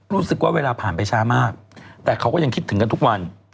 รู้สึกว่าเวลาผ่านไปช้ามากแต่เขาก็ยังคิดถึงกันทุกวัน